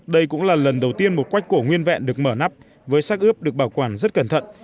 đây cũng là lần đầu tiên một quách cổ nguyên vẹn được mở nắp với sắc ướp được bảo quản rất cẩn thận